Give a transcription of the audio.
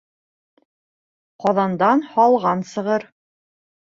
Ҡаҙандан һалған сығыр.